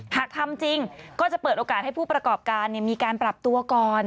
หากทำจริงก็จะเปิดโอกาสให้ผู้ประกอบการมีการปรับตัวก่อน